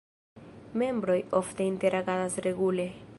Membroj ofte interagadas regule.